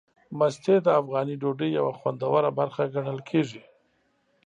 مستې د افغاني ډوډۍ یوه خوندوره برخه ګڼل کېږي.